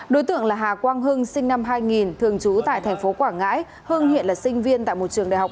đối tượng là hà quang hưng sinh năm hai nghìn thường trú tại thành phố quảng ngãi hưng hiện là sinh viên tại một trường đại học